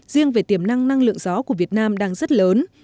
riêng về tiềm năng năng lượng gió của việt nam đang rất lớn